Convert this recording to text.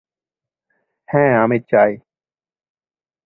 হ্যাঁ আমি চাই।